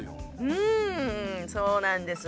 うんそうなんです。